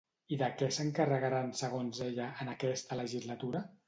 I de què s'encarregaran, segons ella, en aquesta legislatura?